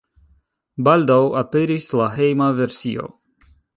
Baldaŭ aperis la hejma versio.